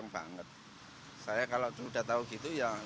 menanggungmemi karakteristikan demi peminat